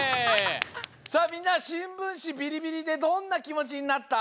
さあみんなしんぶんしビリビリでどんなきもちになった？